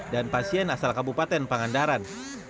dan pasien asal kabupaten pangandaran